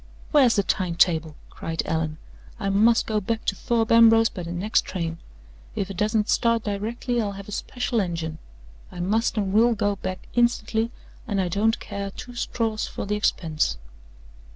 "Where's the time table?" cried Allan. "I must go back to Thorpe Ambrose by the next train! If it doesn't start directly, I'll have a special engine. I must and will go back instantly, and I don't care two straws for the expense!"